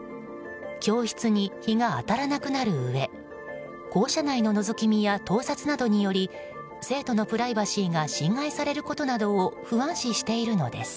教室に日が当たらなくなるうえ校舎内ののぞき見や盗撮などにより生徒のプライバシーが侵害されることなどを不安視しているのです。